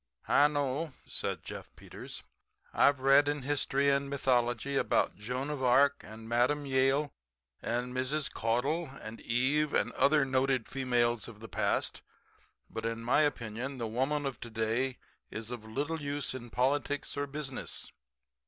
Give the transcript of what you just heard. "I know," said Jeff Peters. "I've read in history and mythology about Joan of Arc and Mme. Yale and Mrs. Caudle and Eve and other noted females of the past. But, in my opinion, the woman of to day is of little use in politics or business.